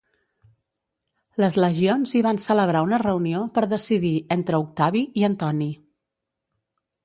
Les legions hi van celebrar una reunió per decidir entre Octavi i Antoni.